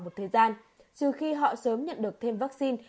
một thời gian trừ khi họ sớm nhận được thêm vaccine